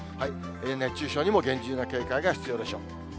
熱中症にも厳重な警戒が必要でしょう。